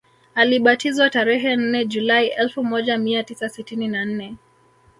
Alibatizwa tarehe nne julai elfu moja mia tisa sitini na nne